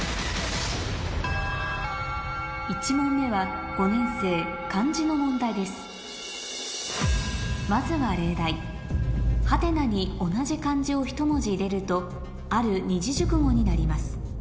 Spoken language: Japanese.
１問目は５年生漢字の問題ですまずは例題「？」に同じ漢字を１文字入れるとある二字熟語になります